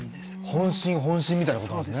本震本震みたいなことなんですね。